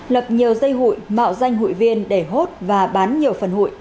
lập nhiều dây hụi mạo danh hụi viên để hốt và bán nhiều phần hụi